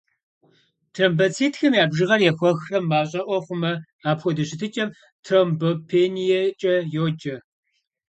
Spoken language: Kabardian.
Тромбоцитхэм я бжыгъэр ехуэхрэ мащӏэӏуэ хъумэ, апхуэдэ щытыкӏэм тромбопениекӏэ йоджэ.